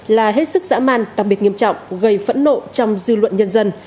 là hết sức dã man đặc biệt nghiêm trọng gây phẫn nộ trong dư luận nhân dân